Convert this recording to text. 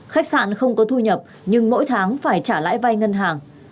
khách sạn không có thu nhập nhưng mỗi tháng phải trả lại vai ngân hàng